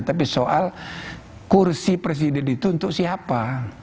tapi soal kursi presiden itu untuk siapa